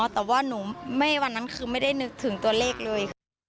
แต่ว่าหนูไม่วันนั้นคือไม่ได้นึกถึงตัวเลขเลย